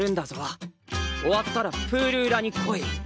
終わったらプールうらに来い。